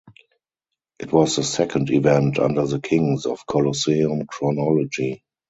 It was the second event under the Kings of Colosseum chronology.